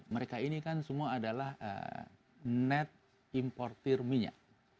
mereka ini kan semua adalah net importer minyak